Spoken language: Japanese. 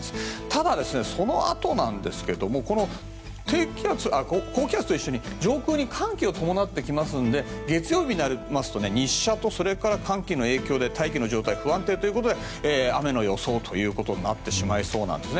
ただ、そのあとなんですが高気圧と一緒に上空に寒気を伴ってきますので月曜日になりますと日射と、それから寒気の影響で大気の状態が不安定ということで雨の予想ということになってしまいそうなんです。